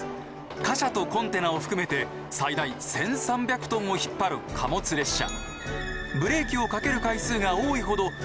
貨車とコンテナを含めて最大１，３００トンを引っ張る貨物列車。